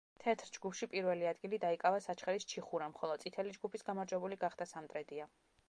თეთრ ჯგუფში პირველი ადგილი დაიკავა საჩხერის „ჩიხურამ“, ხოლო წითელი ჯგუფის გამარჯვებული გახდა „სამტრედია“.